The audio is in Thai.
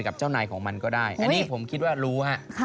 เจ้านายของมันก็ได้อันนี้ผมคิดว่ารู้ฮะ